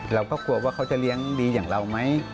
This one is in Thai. เราก็กลัวว่าเขาจะเลี้ยงดีอย่างเราไหม